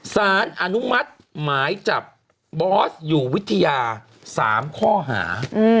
สารอนุมัติหมายจับบอสอยู่วิทยา๓ข้อหา